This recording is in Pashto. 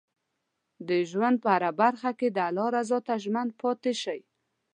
د ژوند په هره برخه کې د الله رضا ته ژمن پاتې شئ.